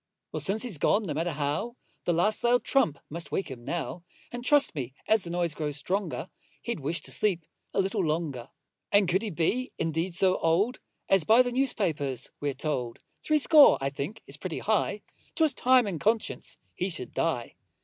Well, since he's gone, no matter how, The last loud trump must wake him now: And, trust me, as the noise grows stronger, He'd wish to sleep a little longer. And could he be indeed so old As by the news papers we're told? Threescore, I think, is pretty high; 'Twas time in conscience he should die.